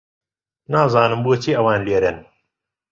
نازانم بۆچی ئەوان لێرەن.